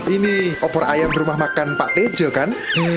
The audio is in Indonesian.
ini opor ayam rumah makan pak tejo kan